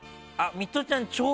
ミトちゃん